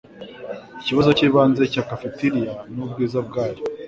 Ikibazo cyibanze cya cafeteria nubwiza bwayo.